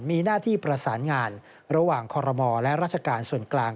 มีหน้าที่ประสานงานระหว่างคอรมอและราชการส่วนกลาง